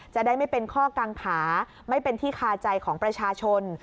จะได้ไม่เป็นข้อกังขาไม่เป็นที่คาใจของประชาชน